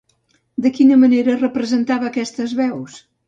De quina manera representava aquestes veus?